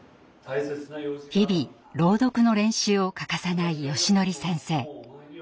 日々朗読の練習を欠かさないよしのり先生。